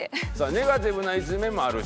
「ネガティブな一面もある人」